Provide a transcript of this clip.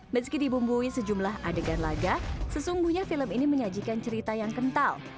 meski dibumbui sejumlah adegan laga sesungguhnya film ini menyajikan cerita yang kental